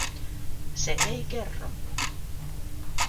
Se ei kerro.